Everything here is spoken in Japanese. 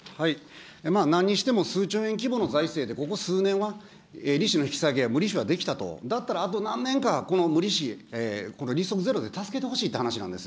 なんにしても数兆円規模の財政でここ数年は、利子の引き下げ、無利子はできたと、だったらあと何年か、この無利子、利息ゼロで助けてほしいという話なんです。